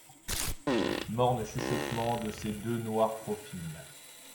Morne chuchotement de ces deux noirs profils !